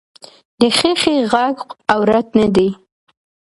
د ښخي غږ عورت نه دی